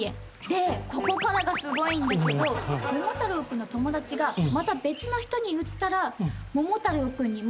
でここからがすごいんだけど桃太郎君の友達がまた別の人に売ったら桃太郎君にも２％入るの。